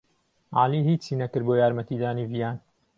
عەلی ھیچی نەکرد بۆ یارمەتیدانی ڤیان.